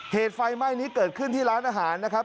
เหตุไฟไหม้นี้เกิดขึ้นที่ร้านอาหารนะครับ